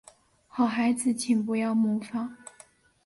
好孩子请不要模仿